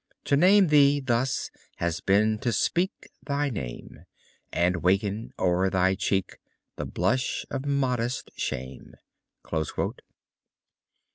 To name thee thus had been to speak thy name, And waken, o'er thy cheek, the blush of modest shame.